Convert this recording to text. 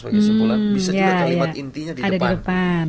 bisa juga kalimat intinya di depan